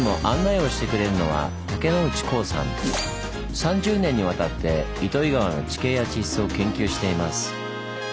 ３０年にわたって糸魚川の地形や地質を研究しています。